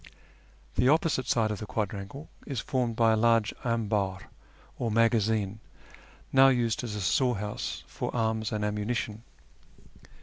The opposite side of the quadrangle is formed by a large amhdr, or magazine, now used as a storehouse for arms and ammunition.